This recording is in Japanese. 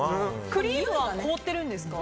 クリームは凍ってるんですか？